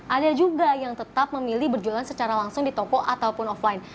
ada juga yang tetap memilih berjualan secara langsung di toko ataupun offline